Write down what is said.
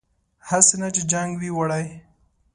هسې نه چې جنګ وي وړی